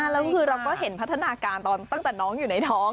แล้วคือเราก็เห็นพัฒนาการตอนตั้งแต่น้องอยู่ในท้อง